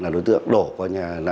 đối tượng đổ